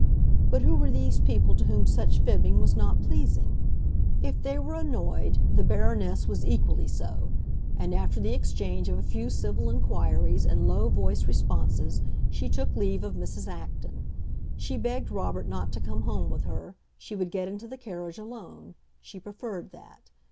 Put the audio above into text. But who were these people to whom such fibbing was not pleasing? If they were annoyed, the Baroness was equally so; and after the exchange of a few civil inquiries and low voiced responses she took leave of Mrs. Acton. She begged Robert not to come home with her; she would get into the carriage alone; she preferred that.